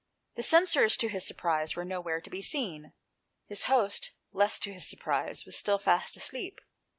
The censers, to his surprise, were no where to be seen. His host, less to his surprise, was still fast asleep.